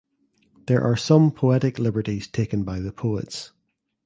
There are some poetic liberties taken by the poets.